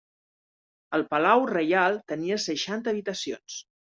El Palau reial tenia seixanta habitacions.